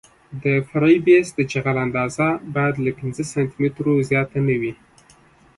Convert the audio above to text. د فرعي بیس د جغل اندازه باید له پنځه سانتي مترو زیاته نه وي